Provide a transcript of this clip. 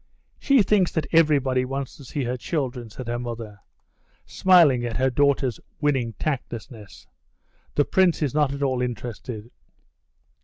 "She thinks that everybody wants to see her children," said her mother, smiling at her daughter's winning tactlessness. "The Prince is not at all interested."